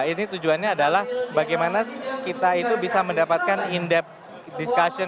ini tujuannya adalah bagaimana kita itu bisa mendapatkan indep discussion